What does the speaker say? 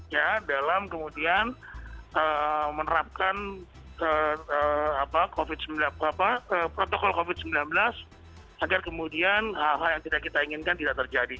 ya dalam kemudian menerapkan protokol covid sembilan belas agar kemudian hal hal yang tidak kita inginkan tidak terjadi